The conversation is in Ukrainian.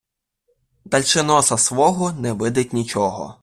Дальше носа свого не видить нічого.